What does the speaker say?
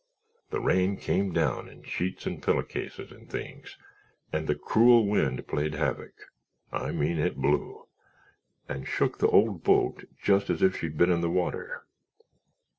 The rain came down in sheets and pillowcases and things and the cruel wind played havoc—I mean it blew—and shook the old boat just as if she'd been in the water.